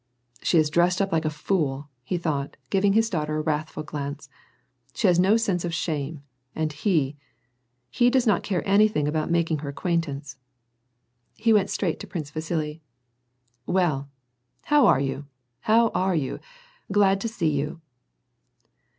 "She is dressed up like a fool," he thought, giving his daughter a wrathful glance. "She has no sense of shame, and he — he does not care anything about making her ac quaintance.'^ He went straight to Prince Vasili :" Well, how aiv you, how are you ? Glad to see you